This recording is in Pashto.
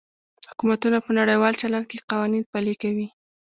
حکومتونه په نړیوال چلند کې قوانین پلي کوي